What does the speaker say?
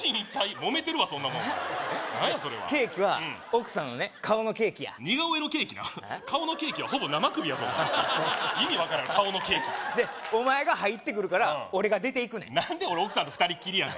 モメてるわそんなもん何やそれはケーキは奥さんのね顔のケーキや似顔絵のケーキな顔のケーキはほぼ生首やぞ意味分からん顔のケーキでお前が入ってくるから俺が出ていくねん何で俺奥さんと２人っきりやね